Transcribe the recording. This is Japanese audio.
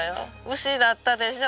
牛だったでしょ！